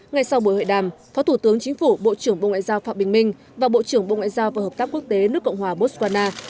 ngay sau buổi hội đàm phó thủ tướng chính phủ bộ trưởng bộ ngoại giao phạm bình minh và bộ trưởng bộ ngoại giao và hợp tác quốc tế nước cộng hòa botswana